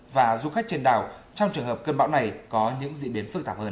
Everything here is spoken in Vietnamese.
và du khách trên đảo trong trường hợp cơn bão này có những diễn biến phức tạp hơn